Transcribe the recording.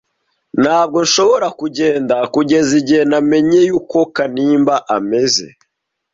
Ntabwo nshobora kugenda kugeza igihe namenyeye uko Kanimba ameze.